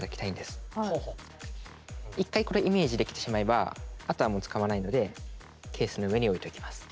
一回これイメージできてしまえばあとはもう使わないのでケースの上に置いておきます。